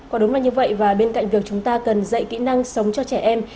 có đúng là như vậy và bên cạnh việc chúng ta cần dạy kỹ năng sống cho trẻ em